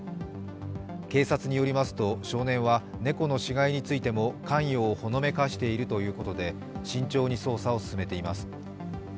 警察によりますと少年は猫の死骸についても関与をほのめかしているということで、慎重に捜査を進めています。